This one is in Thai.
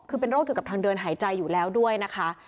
คือเป็นโรคเกี่ยวกับทางเดินหายใจอยู่แล้วด้วยนะคะ